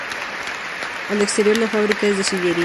Al exterior la fábrica es de sillería.